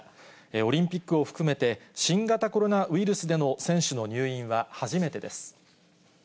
オリンピックを含めて、新型コロナウイルスでの選手の入院は初めてです。